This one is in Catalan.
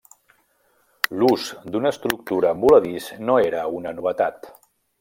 L’ús d’una estructura en voladís no era una novetat.